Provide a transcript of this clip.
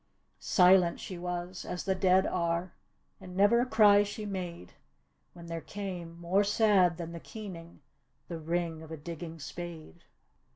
Silent ^e was, as the dead are. And never a cry she made When there came, more sad than the keening, The ring of a digging spade.